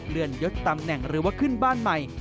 เลื่อนยดตำแหน่งหรือว่าขึ้นบ้านใหม่